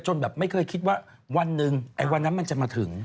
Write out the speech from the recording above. แบบไม่เคยคิดว่าวันหนึ่งไอ้วันนั้นมันจะมาถึง